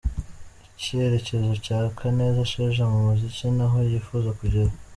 Icyerekezo cya Kaneza Sheja mu muziki n'aho yifuza kugera.